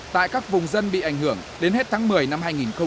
tại các vùng dân bị ảnh hưởng đến hết tháng một mươi năm hai nghìn một mươi chín